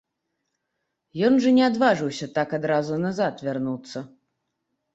Ён жа не адважыўся так адразу назад вярнуцца.